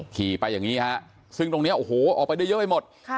ขี่ไปอย่างนี้ฮะซึ่งตรงนี้โอ้โหออกไปได้เยอะไปหมด